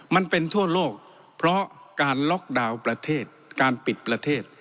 มันเป็นทั่วโลกเพราะการล็อกดาวน์ประเทศการปิดประเทศ